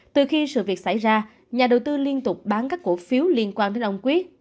từ khi sự việc xảy ra nhà đầu tư liên tục bán các cổ phiếu liên quan đến ông quyết